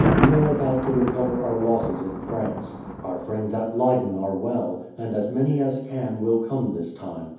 We are about to recover our losses in France. _ Our friends at Leyden are well, and as many as can will come this time.